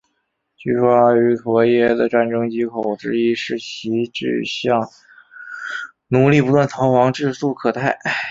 据说阿瑜陀耶的战争藉口之一是其治下奴隶不断逃亡至素可泰。